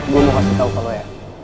gue mau kasih tau ke lo ya